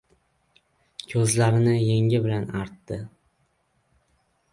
Ko‘zlarini yengi bilan artdi.